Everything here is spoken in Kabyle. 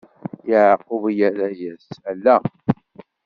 Yeɛqub irra-yas: Ala!